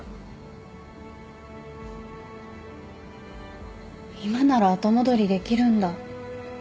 今なら後戻りできるんだ？